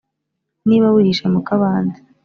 niba wihishe mu kabande